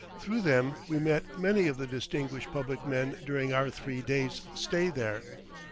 Through them we met many of the distinguished public men during our three days' stay there.